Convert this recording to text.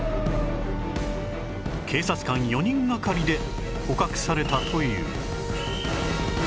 警察官４人がかりで捕獲されたという